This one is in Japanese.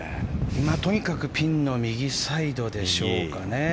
とにかくピンの右サイドでしょうかね。